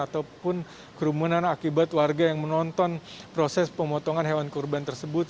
ataupun kerumunan akibat warga yang menonton proses pemotongan hewan kurban tersebut